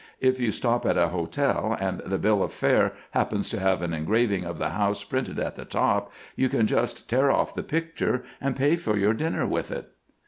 If you stop at a hotel, and the biQ of fare happens to have an engraving of the house printed at the top, you can just tear off the picture and pay for your dinner with it.'